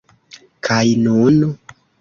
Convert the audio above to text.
Kaj nun?